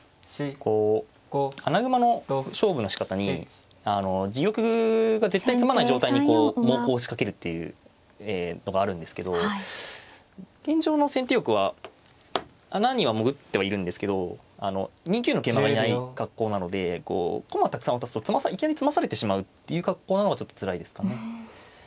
こう穴熊の勝負のしかたに自玉が絶対詰まない状態に猛攻を仕掛けるっていうのがあるんですけど現状の先手玉は穴には潜ってはいるんですけど２九の桂馬がいない格好なのでこう駒をたくさん渡すといきなり詰まされてしまうっていう格好なのがちょっとつらいですかね。